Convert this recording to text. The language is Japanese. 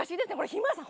日村さん